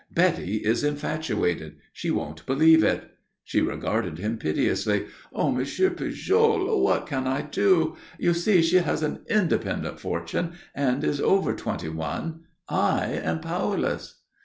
"Betty is infatuated. She won't believe it." She regarded him piteously. "Oh, Monsieur Pujol, what can I do? You see she has an independent fortune and is over twenty one. I am powerless."